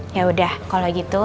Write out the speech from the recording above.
yaudah kalo gitu